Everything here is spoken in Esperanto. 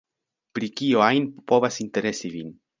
Pri kio ajn povas interesi vin.